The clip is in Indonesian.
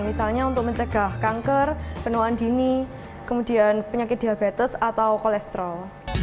misalnya untuk mencegah kanker penuhan dini kemudian penyakit diabetes atau kolesterol